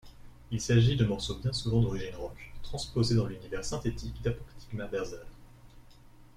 Il s’agit de morceaux bien souvent d’origine Rock, transposé dans l’univers synthétique d’Apoptygma Berzerk.